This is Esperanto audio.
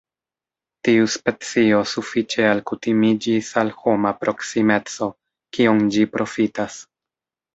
Tiu specio sufiĉe alkutimiĝis al homa proksimeco, kion ĝi profitas.